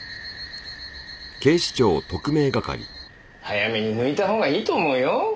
早めに抜いたほうがいいと思うよ。